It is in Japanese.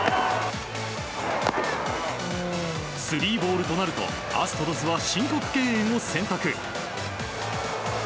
スリーボールとなるとアストロズは申告敬遠を宣告。